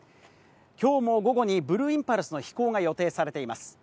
今日も午後にブルーインパルスの飛行が予定されています。